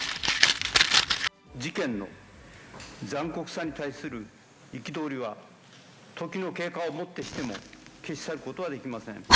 事件の残酷さに対する憤りは時の経過をもってしても消し去ることはできません。